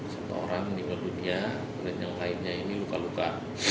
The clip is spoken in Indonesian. satu orang meninggal dunia dan yang lainnya ini luka luka